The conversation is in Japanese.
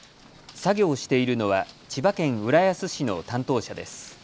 作業しているのは千葉県浦安市の担当者です。